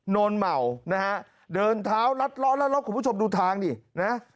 นนมเหมาะนะฮะเท้ารัดร้อนรัดล่อของผู้ชมดูทางนี่นะฮะ